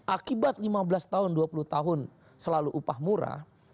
akibat lima belas tahun dua puluh tahun selalu upah murah